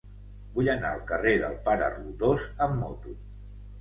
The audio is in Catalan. Vull anar al carrer del Pare Roldós amb moto.